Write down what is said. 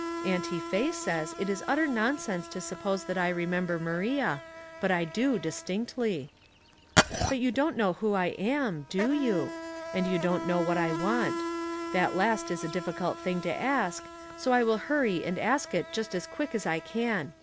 Auntie Faye says it is utter nonsense to suppose that I remember Maria, but I do distinctly. " But you don't know wlio I am, do you ? And you aon't know what I want. That last is a difficult thing to ask, so I will hurry and ask it just as quick as I can.